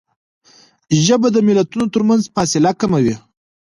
ژبه د ملتونو ترمنځ فاصله کموي